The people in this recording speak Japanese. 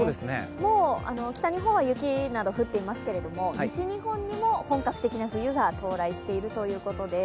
もう北日本は雪など降っていますけれども、西日本にも本格的な冬が到来しているということです。